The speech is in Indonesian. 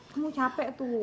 kamu capek tuh